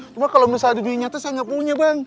cuma kalau misalnya di dunia nyata saya nggak punya bang